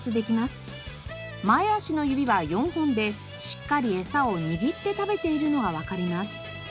前足の指は４本でしっかりエサを握って食べているのがわかります。